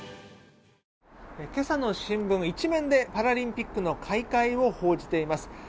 今朝の新聞１面でパラリンピックの開会を報じています。